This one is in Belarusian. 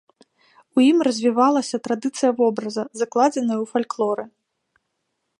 У ім развівалася традыцыя вобраза, закладзеная ў фальклоры.